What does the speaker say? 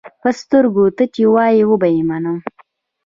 پۀ سترګو، تۀ چې وایې وبۀ یې منم.